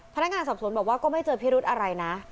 พนักงานสอบสวนบอกว่าก็ไม่เจอพิรุธอะไรนะ